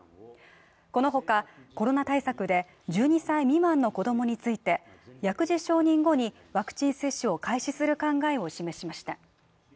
この他、コロナ対策で１２歳未満の子どもについて薬事承認後にワクチン接種を開始する考えを示しました。